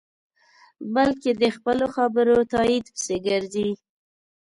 بلکې د خپلو خبرو تایید پسې گرځي.